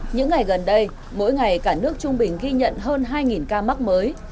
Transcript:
những ngày gần đây mỗi ngày cả nước trung bình ghi nhận hơn hai ca mắc mới